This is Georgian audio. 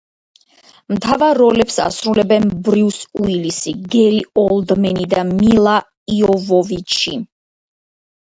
მთავარ როლებს ასრულებენ ბრიუს უილისი, გერი ოლდმენი და მილა იოვოვიჩი.